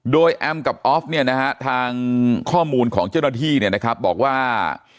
โดยแอมกับออฟเนี่ยนะฮะทางข้อมูลของเจ้าหน้าที่เนี่ยนะครับบอกว่า